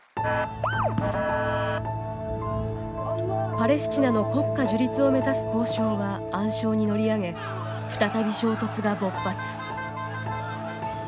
パレスチナの国家樹立を目指す交渉は暗礁に乗り上げ再び衝突が勃発。